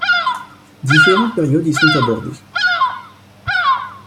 Différentes périodes y sont abordées.